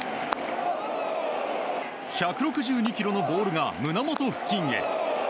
１６２キロのボールが胸元付近へ。